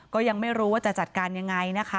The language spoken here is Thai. ก็ยังไม่รู้ว่าจะจัดการยังไงนะคะ